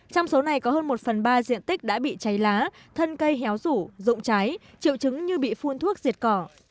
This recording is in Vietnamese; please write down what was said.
trong số này có hơn một phần ba diện tích đã bị cháy lá thân cây héo rũ rụng cháy triệu chứng như bị phun thuốc diệt cỏ